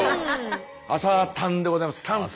「朝たん」でございます。